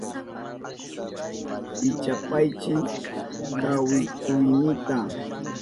Pichapaychi kawituynita.